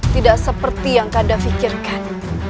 tidak seperti yang anda pikirkan